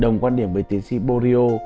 đồng quan điểm với tiến sĩ borio